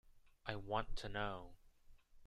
I want to know.